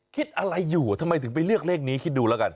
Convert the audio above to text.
คิดอะไรอยู่ทำไมถึงไปเลือกเลขนี้คิดดูแล้วกัน